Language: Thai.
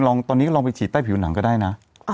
ตอนนี้ก็ลองไปฉีดใต้ผิวหนังก็ได้นะ